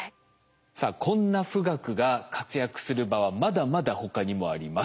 さあこんな富岳が活躍する場はまだまだ他にもあります。